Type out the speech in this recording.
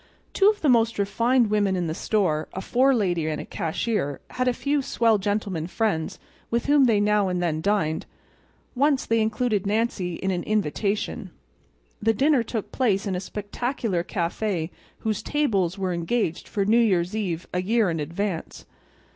Two of the most "refined" women in the store—a forelady and a cashier—had a few "swell gentlemen friends" with whom they now and then dined. Once they included Nancy in an invitation. The dinner took place in a spectacular café whose tables are engaged for New Year's eve a year in advance.